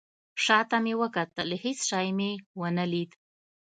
شاته مې وکتل. هیڅ شی مې ونه لید